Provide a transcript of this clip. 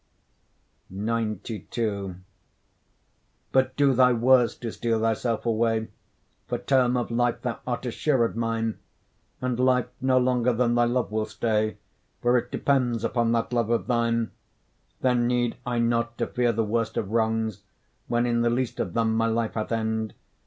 XCII But do thy worst to steal thyself away, For term of life thou art assured mine; And life no longer than thy love will stay, For it depends upon that love of thine. Then need I not to fear the worst of wrongs, When in the least of them my life hath end.